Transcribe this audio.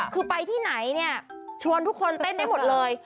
คือไปที่ไหนเนี่ยชวนทุกคนเต้นได้หมดเลย